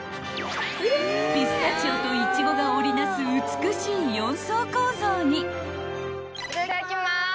［ピスタチオとイチゴが織り成す美しい４層構造に］